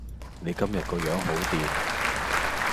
你今日個樣好掂